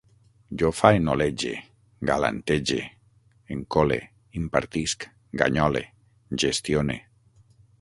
Jo faenolege, galantege, encole, impartisc, ganyole, gestione